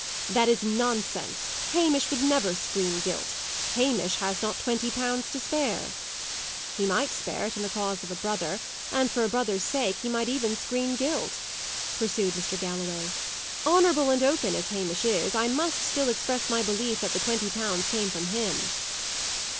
"That is nonsense. Hamish would never screen guilt. Hamish has not twenty pounds to spare." "He might spare it in the cause of a brother; and for a brother's sake he might even screen guilt," pursued Mr. Galloway. "Honourable and open as Hamish is, I must still express my belief that the twenty pounds came from him."